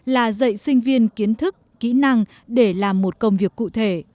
là dạy sinh viên kiến thức kỹ năng để làm một công việc cụ thể